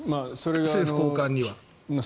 政府高官には。